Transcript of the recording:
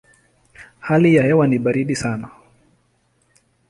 Hali ya hewa ni baridi sana.